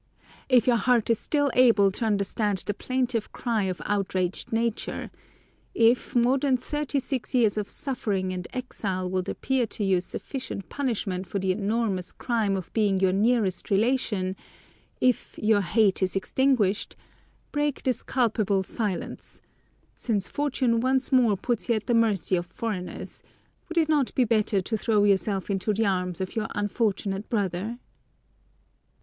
"If your heart is still able to understand the plaintive cry of outraged nature; if more than thirty six years of suffering and exile would appear to you sufficient punishment for the enormous crime of being your nearest relation; if your hate is extinguished, break this culpable silence; since fortune once more puts you at the mercy of foreigners, would it not be better to throw yourself into the arms of your unfortunate brother?